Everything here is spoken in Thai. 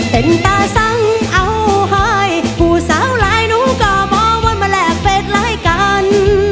เต้นตาสังเอาให้ผู้สาวหลายหนูก็บ่วนมาแหลกเฟสหลายกัน